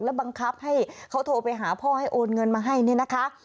บังคับให้เขาโทรไปหาพ่อให้โอนเงินมาให้เนี่ยนะคะ